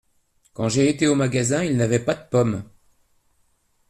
Quand j’ai été au magasin, ils n’avaient pas de pommes.